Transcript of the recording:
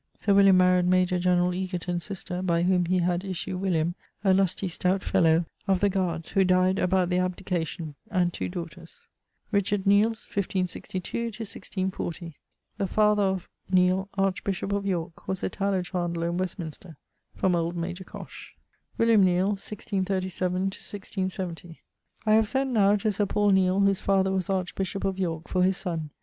Sir William maried major generall Egerton's sister, by whom he had issue William, a lusty stout fellow, of the guards, who died about the abdication, and two daughters. =Richard Neile= (1562 1640). The father of ... Neile, archbishop of Yorke, was a tallow chandler in Westminster from old major Cosh. =William Neile= (1637 1670). I have sent now to Sir Paul Neile, whose father was archbishop of Yorke, for his sonne.